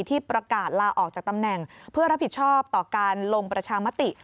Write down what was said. ที่ประกาศลาออกจากตำแหน่งเพื่อรับผิดชอบต่อการลงประชามติ